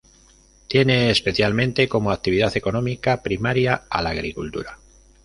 Tiene especialmente como actividad económica primaria a la agricultura.